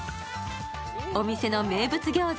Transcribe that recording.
お店の名物餃子。